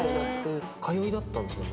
通いだったんですよね？